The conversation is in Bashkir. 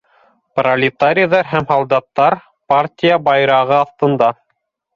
Пролетарийҙар һәм һалдаттар, партия байрағы аҫтына!